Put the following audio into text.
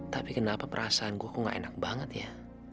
tapi kenapa perasaan gue kok gak enak banget ya